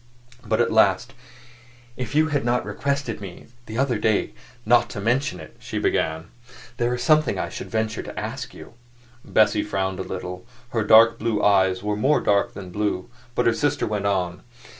But at last, "If you had not requested me the other day not to mention it," she began, "there is something I should venture to ask you." Bessie frowned a little; her dark blue eyes were more dark than blue. But her sister went on.